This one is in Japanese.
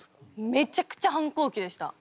めちゃくちゃ反抗期でした。